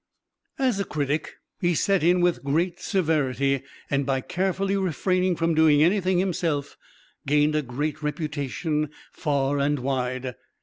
] As a critic he set in with great severity, and by carefully refraining from doing anything himself, gained a great reputation far and wide.